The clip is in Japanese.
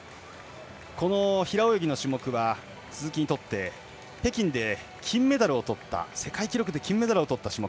この平泳ぎの種目は鈴木にとって北京で金メダルをとった世界記録で金メダルをとった種目。